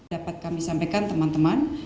dapat kami sampaikan teman teman